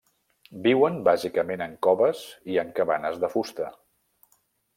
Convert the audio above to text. Viuen bàsicament en coves i en cabanes de fusta.